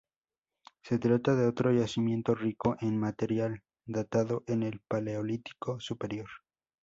Se trata de otro yacimiento rico en material datado en el Paleolítico Superior.